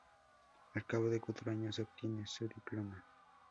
Al cabo de cuatro años, obtiene su diploma.